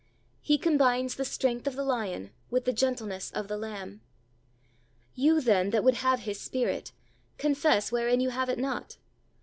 He combines the strength of the lion with the gentleness of the lamb. You, then, that would have His Spirit, confess wherein you have it not.